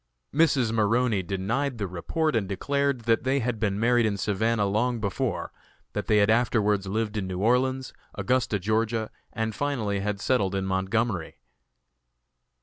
Mrs. Maroney denied the report and declared that they had been married in Savannah long before; that they had afterwards lived in New Orleans, Augusta, Ga., and finally had settled in Montgomery.